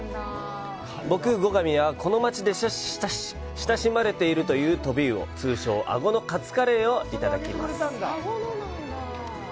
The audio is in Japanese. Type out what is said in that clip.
僕、後上は、この町で親しまれているというトビウオ、通称「あごのカツカレー」をいただきます。